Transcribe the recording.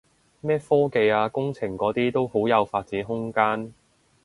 咩科技啊工程嗰啲都好有發展空間